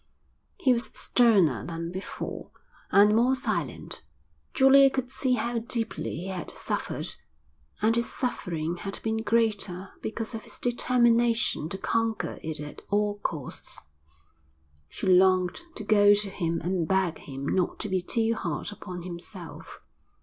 He was sterner than before and more silent. Julia could see how deeply he had suffered, and his suffering had been greater because of his determination to conquer it at all costs. She longed to go to him and beg him not to be too hard upon himself.